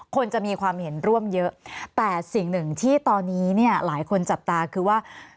คนจะมีความเห็นร่วมเยอะแต่สิ่งหนึ่งที่ตอนนี้เนี่ยหลายคนจับตาคือว่า